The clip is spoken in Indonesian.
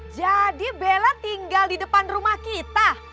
jadi bella tinggal di depan rumah kita